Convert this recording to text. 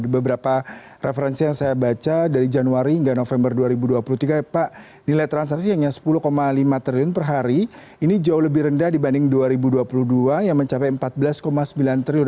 beberapa referensi yang saya baca dari januari hingga november dua ribu dua puluh tiga pak nilai transaksi hanya rp sepuluh lima triliun per hari ini jauh lebih rendah dibanding dua ribu dua puluh dua yang mencapai rp empat belas sembilan triliun